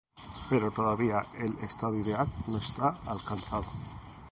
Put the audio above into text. Pero todavía el estado ideal no está alcanzado.